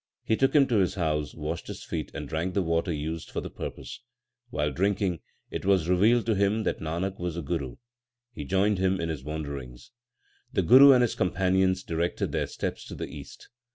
He took him to his house, washed his feet, and drank the water used for the purpose. While drinking, it was revealed to him that Nanak was a Guru. He joined him in his wanderings. The Guru and his companions directed their steps to the East.